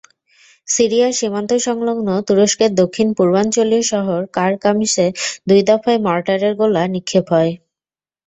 Syria সীমান্ত-সংলগ্ন তুরস্কের দক্ষিণ-পূর্বাঞ্চলীয় শহর কারকামিসে দুই দফায় মর্টারের গোলা নিক্ষেপ হয়।